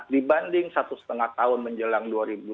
dibanding satu lima tahun menjelang dua ribu sembilan belas